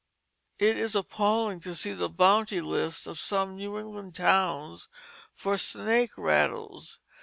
It is appalling to see the bounty lists of some New England towns for snake rattles.